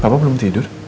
papa belum tidur